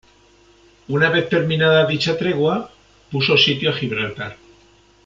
Una vez terminada dicha tregua, puso sitio a Gibraltar.